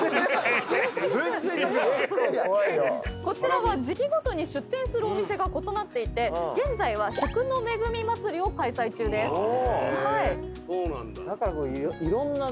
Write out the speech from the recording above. こちらは時季ごとに出店するお店が異なっていて現在は食の恵みまつりを開催中です。